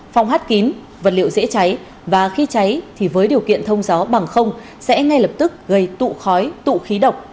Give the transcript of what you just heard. phòng hát kín vật liệu dễ cháy và khi cháy thì với điều kiện thông gió bằng không sẽ ngay lập tức gây tụ khói tụ khí độc